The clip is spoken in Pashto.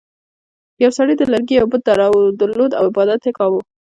یو سړي د لرګي یو بت درلود او عبادت یې کاوه.